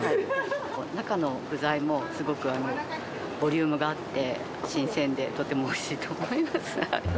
中の具材もすごくボリュームがあって、新鮮でとてもおいしいと思います。